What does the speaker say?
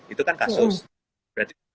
itu kan kasus berarti